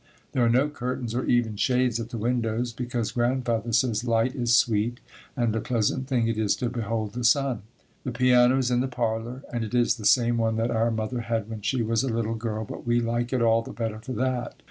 There are no curtains or even shades at the windows, because Grandfather says, "light is sweet and a pleasant thing it is to behold the sun." The piano is in the parlor and it is the same one that our mother had when she was a little girl but we like it all the better for that.